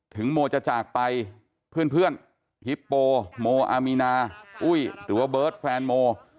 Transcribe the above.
โมจะจากไปเพื่อนฮิปโปโมอามีนาอุ้ยหรือว่าเบิร์ตแฟนโม